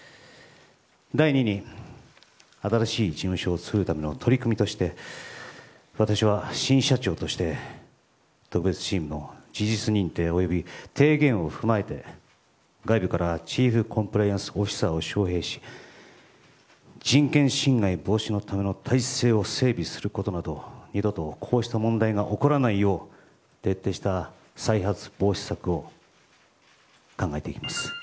第二に新しい事務所を作るための取り組みとして私は新社長として特別チームの事実認定および提言を踏まえて外部からチームコンプライアンスオフィサーを招へいし、人権侵害防止のための体制を整備することなど二度とこうした問題が起こらないよう徹底した再発防止策を考えていきます。